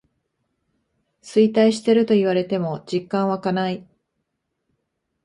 衰退してると言われても実感わかない